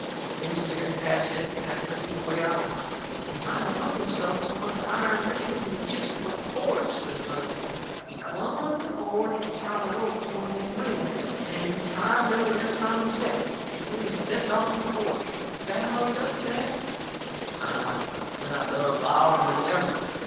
Things was getting past anything I could see the way out of. "He might of hung himself to one of the iron rings in the jists above the forge," says another woman. "He clumb onto the forge to tie the rope to one of them rings, and he tied the other end around his neck, and then he stepped off'n the forge. Was that how he done it, Danny?" I nodded. And then I bellered louder than ever.